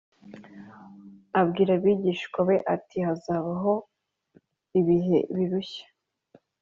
abwira abigishwa be ati hazabaho ibihe birushya